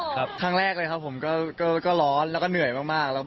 ครั้งแรกเลยครับผมก็ร้อนแล้วก็เหนื่อยมาก